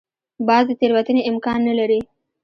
باز د تېروتنې امکان نه لري